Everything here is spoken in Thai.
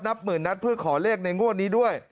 หมื่นนัดเพื่อขอเลขในงวดนี้ด้วย